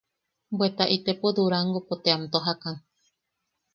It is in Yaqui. Bweta itepo Durangopo te am tojakan.